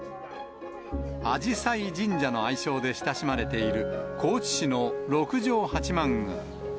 あじさい神社の愛称で親しまれている、高知市の六條八幡宮。